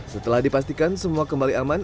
setelah dipastikan semua kembali aman